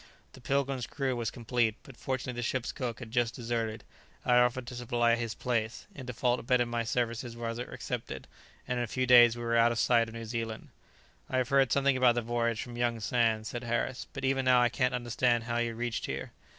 The 'Pilgrim's' crew was complete, but fortunately the ship's cook had just deserted; I offered to supply his place; in default of better my services were accepted, and in a few days we were out of sight of New Zealand." "I have heard something about the voyage from young Sands," said Harris, "but even now I can't understand how you reached here."